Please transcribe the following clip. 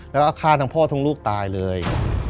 แล้วฉาก่อนทางพ่อทั้งลูกตายเลย